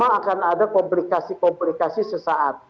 jangan ada komplikasi komplikasi sesaat